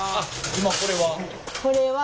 今これは？